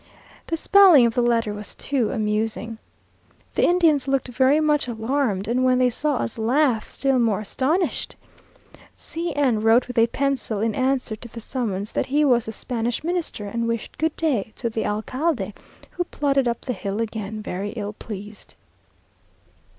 The spelling of the letter was too amusing. The Indians looked very much alarmed, and when they saw us laugh, still more astonished. C n wrote with a pencil in answer to the summons, that he was the Spanish Minister, and wished good day to the alcalde, who plodded up the hill again, very ill pleased.